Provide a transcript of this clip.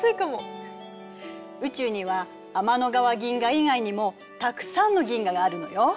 宇宙には天の川銀河以外にもたくさんの銀河があるのよ。